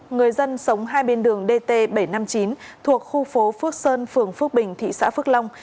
người dân sống hai bên đường dt bảy trăm năm mươi chín thuộc khu phố phước sơn phường phước bình thị xã phước long